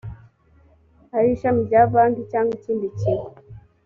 ndfi ari ishami rya banki cyangwa ikindi kigo